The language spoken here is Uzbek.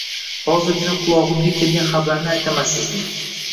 Hozirgina qulog‘imga kelgan xabarni aytaman sizga